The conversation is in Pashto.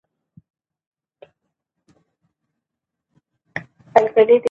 د واک محدودیت ثبات راولي